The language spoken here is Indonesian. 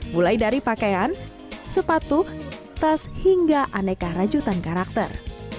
mulai dari pakaian sepatu tas hingga aneka rajutan karakter